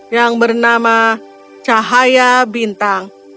yang bernama cahaya bintang